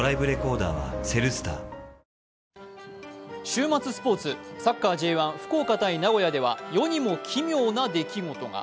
週末スポーツ、サッカーＪ１、福岡×名古屋では世にも奇妙な出来事が。